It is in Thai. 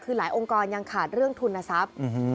คือหลายองค์กองยังขาดเรื่องธุรณสัพ